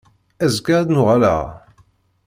Azekka ad n-uɣaleɣ.